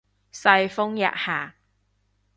世風日下